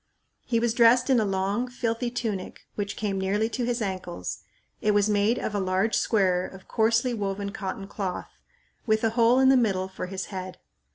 He was dressed in a long, filthy tunic which came nearly to his ankles. It was made of a large square of coarsely woven cotton cloth, with a hole in the middle for his head.